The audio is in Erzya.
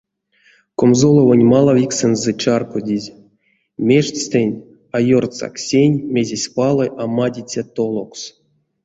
Комзоловонь малавиксэнзэ чарькодизь: мештьстэнть а ёртсак сень, мезесь палы а мадиця толокс.